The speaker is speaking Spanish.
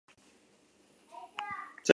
Ocean Club, Londres, Reino Unido.